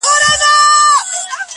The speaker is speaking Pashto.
• یو موږک دی چي په نورو نه ګډېږي..